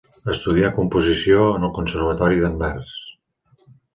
Estudià composició en el Conservatori d'Anvers.